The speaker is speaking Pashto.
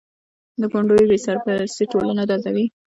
د کونډو بې سرپرستي ټولنه دردوي.